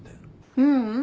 ううん。